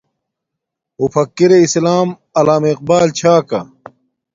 مفکِر اسلام علامہ اقبال چھا کا